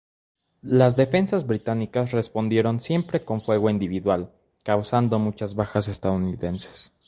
Las defensas británicas respondieron siempre con fuego individual, causando muchas bajas estadounidenses.